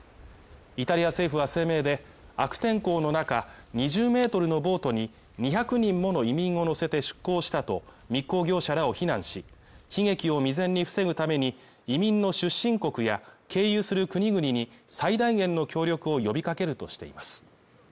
イタリア政府は声明で、悪天候の中２０ｍのボートに２００人もの移民を乗せて出航したとみられる密航業者らを非難し、悲劇を未然に防ぐために移民の出身国や経由する国々に最大限の協力を呼びかけるとしています。